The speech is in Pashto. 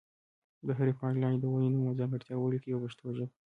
د هرې پاڼې لاندې د ونې نوم او ځانګړتیا ولیکئ په پښتو ژبه.